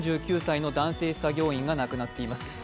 ４９歳の男性作業員が亡くなっています。